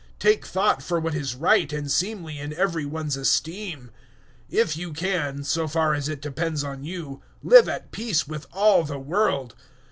Take thought for what is right and seemly in every one's esteem. 012:018 If you can, so far as it depends on you, live at peace with all the world.